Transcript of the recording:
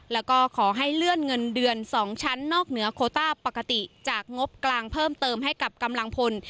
แล้วก็ขอให้เลื่อนเงินเดือน๒ชั้นนอกเหนือโคต้าปกติจากงบกลางเพิ่มเติมให้กับกำลังพล